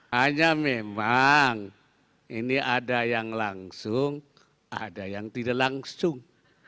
hanya memang ini ada yang langsung ada yang tidak langsung